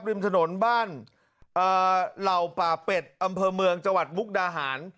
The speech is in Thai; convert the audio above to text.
ริมถนนบ้านเหล่าป่าเป็ดอำเภอเมืองจังหวัดมุกดาหาร